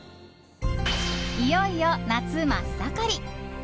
いよいよ夏真っ盛り。